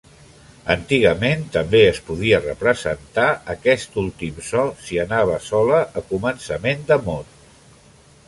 Antigament també es podia representar aquest últim so si anava sola a començament de mot.